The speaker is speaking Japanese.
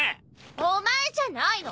お前じゃないの！